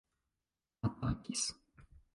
atakis